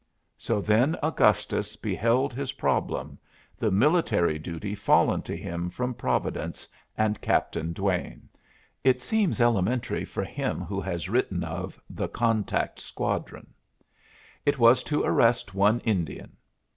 So then Augustus beheld his problem, the military duty fallen to him from Providence and Captain Duane. It seems elementary for him who has written of "The Contact Squadron." It was to arrest one Indian.